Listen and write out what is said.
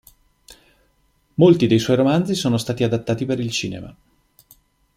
Molti dei suoi romanzi sono stati adattati per il cinema.